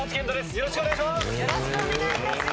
よろしくお願いします。